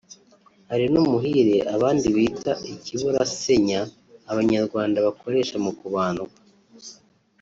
hari n’umuhire abandi bita ikiburasenya abanyarwanda bakoresha mu kubandwa